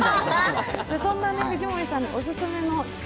そんな藤森さんのおすすめの企画